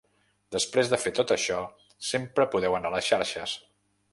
Després de fer tot això, sempre podeu anar a les xarxes.